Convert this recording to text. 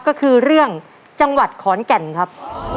ก็คือเรื่องจังหวัดขอนแก่นครับ